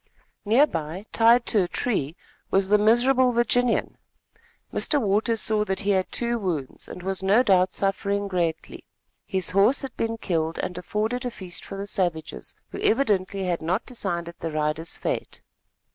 Near by, tied to a tree was the miserable Virginian. Mr. Waters saw that he had two wounds, and was no doubt suffering greatly. His horse had been killed and afforded a feast for the savages, who evidently had not yet decided the rider's fate.